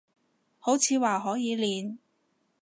好似話可以練